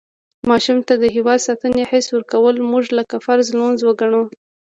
ماشوم ته د هېواد ساتنې حس ورکول مونږ لکه فرض لمونځ وګڼو.